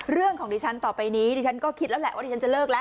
เรื่องของดิฉันต่อไปนี้ดิฉันก็คิดแล้วแหละว่าดิฉันจะเลิกแล้ว